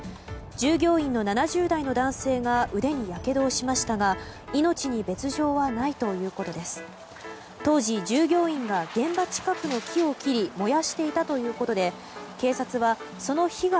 従業員の７０代の男性が腕にやけどをしましたが命に別条はないということです。